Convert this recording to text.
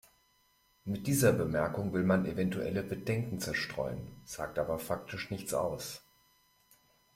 Mit dieser Bemerkung will man eventuelle Bedenken zerstreuen, sagt aber faktisch nichts aus.